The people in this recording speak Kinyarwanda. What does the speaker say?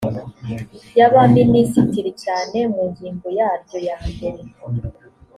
y abaminisitiri cyane mu ngingo yaryo ya mbere